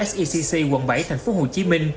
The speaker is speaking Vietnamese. secc quận bảy tp hcm